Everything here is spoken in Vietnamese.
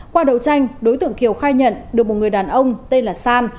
qua đầu tranh đối tượng kiều khai nhận được một người đàn ông tên là san